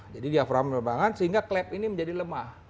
jadi diaframa menyebabkan sehingga klep ini menjadi lemah